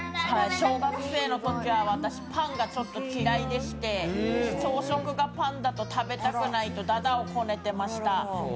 小学生のときはパンが嫌いでして朝食がパンだと食べたくないと駄々をこねていました。